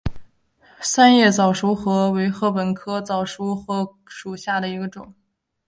三叶早熟禾为禾本科早熟禾属下的一个种。